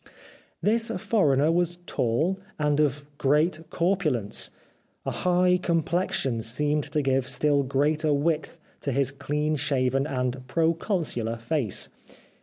" This foreigner was tall and of great corpul ence. A high complexion seemed to give still greater width to his clean shaven and proconsular face.